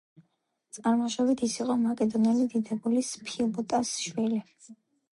წარმოშობით ის იყო მაკედონელი დიდებულის, ფილოტას შვილი.